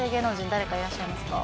誰かいらっしゃいますか？